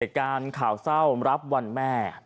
เหตุการณ์ข่าวเศร้ารับวันแม่